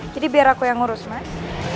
jadi biar aku yang urus mas